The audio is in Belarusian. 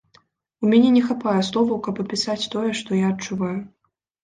У мяне не хапае словаў, каб апісаць тое, што я адчуваю.